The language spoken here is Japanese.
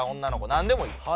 何でもいい。